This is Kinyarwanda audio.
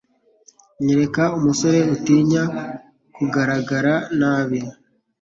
Nyereka umusore utinya kugaragara nabi,